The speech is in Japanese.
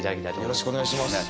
よろしくお願いします